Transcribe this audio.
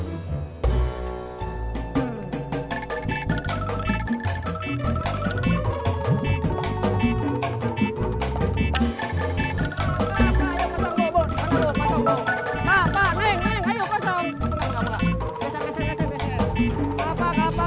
tidak ada kekacauan